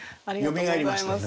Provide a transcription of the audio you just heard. よみがえりますね。